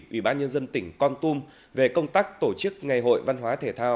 ủy ban nhân dân tỉnh con tum về công tác tổ chức ngày hội văn hóa thể thao